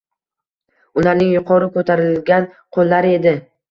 Ularning yuqori ko‘tarilgan qo‘llari edi.